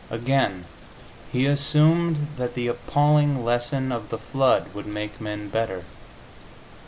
Again, He assumed that the appalling lesson of the Flood would make men better.